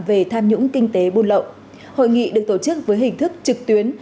về tham nhũng kinh tế buôn lậu hội nghị được tổ chức với hình thức trực tuyến